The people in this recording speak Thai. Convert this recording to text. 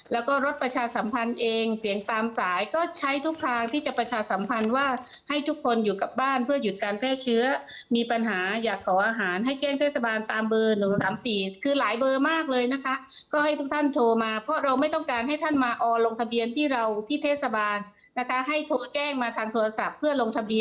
แล้วก็รถประชาสัมพันธ์เองเสียงตามสายก็ใช้ทุกทางที่จะประชาสัมพันธ์ว่าให้ทุกคนอยู่กับบ้านเพื่อหยุดการแพร่เชื้อมีปัญหาอยากขออาหารให้แจ้งเทศบาลตามเบอร์๑๓๔คือหลายเบอร์มากเลยนะคะก็ให้ทุกท่านโทรมาเพราะเราไม่ต้องการให้ท่านมาออลงทะเบียนที่เราที่เทศบาลนะคะให้โทรแจ้งมาทางโทรศัพท์เพื่อลงทะบ